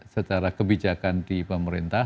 secara kebijakan di pemerintah